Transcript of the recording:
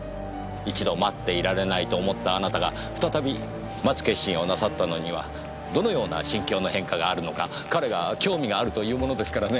一度待っていられないと思ったあなたが再び待つ決心をなさったのにはどのような心境の変化があるのか彼が興味があると言うものですからね。